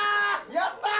やったー！